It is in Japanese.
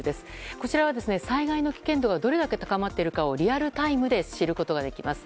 こちらは災害の危険度がどれだけ高まっているかをリアルタイムで知ることができます。